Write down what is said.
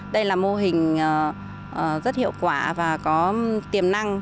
đây là mô hình rất hiệu quả và có tiềm năng